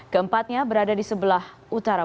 keempatnya berada di sebelah utara